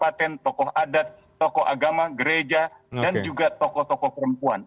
dua puluh sembilan kabupaten tokoh adat tokoh agama gereja dan juga tokoh tokoh perempuan